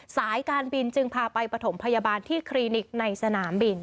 สายการบินจึงพาไปปฐมพยาบาลที่คลินิกในสนามบิน